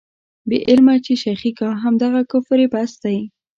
بې علمه چې شېخي کا، همدغه کفر یې بس دی.